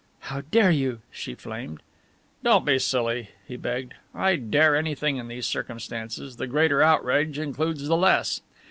"How dare you!" she flamed. "Don't be silly," he begged. "I dare anything in these circumstances, the greater outrage includes the less.